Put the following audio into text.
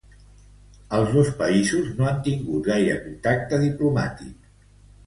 Els dos països no han tingut gaire contacte diplomàtic.